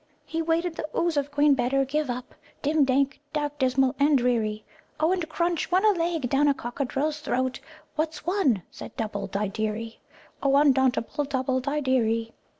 "He waded the Ooze of Queen Better Give Up, Dim, dank, dark, dismal, and dreary, O, And, crunch! went a leg down a Cockadrill's throat, 'What's one?' said Dubbuldideery, O, Undauntable Dubbuldideery.